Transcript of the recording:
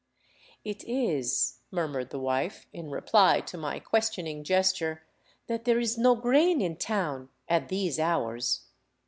*' It is," murmured the wife, in reply to my questioning gesture, " that there is no grain in town — at these hours."